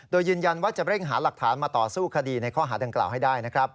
โดยยืนยันว่าจะเร่งหาหลักฐานมาต่อสู้คดีในข้อหาดังกล่าวให้ได้นะครับ